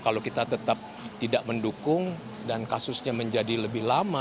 kalau kita tetap tidak mendukung dan kasusnya menjadi lebih lama